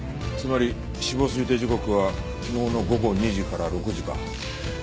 つまり死亡推定時刻は昨日の午後２時から６時か。